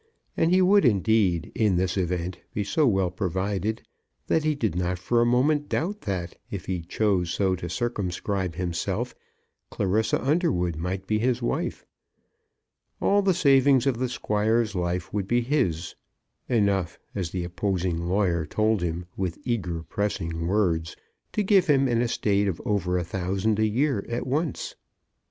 And he would indeed, in this event, be so well provided, that he did not for a moment doubt that, if he chose so to circumscribe himself, Clarissa Underwood might be his wife. All the savings of the Squire's life would be his, enough, as the opposing lawyer told him with eager pressing words, to give him an estate of over a thousand a year at once.